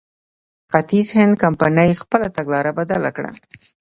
ختیځ هند کمپنۍ خپله تګلاره بدله کړه.